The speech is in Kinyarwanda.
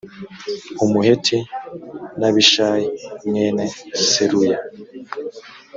umuheti n’ abishayi mwene seruya